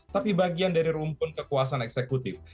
tapi bagian dari rumpun kekuasaan eksekutif